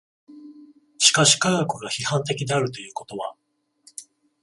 しかし科学が批判的であるということは